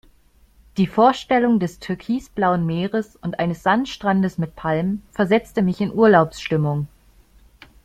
Die Vorstellung des türkisblauen Meeres und eines Sandstrandes mit Palmen versetzte mich in Urlaubsstimmung.